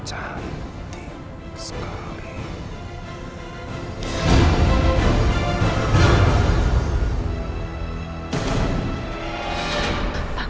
tenang tenang tenang